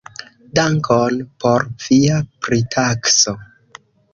Dankon por via pritakso.